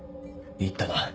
言ったな。